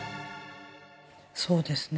そうですね